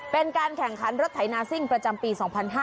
เป็นการแข่งขันรถไถนาซิ่งประจำปี๒๕๕๙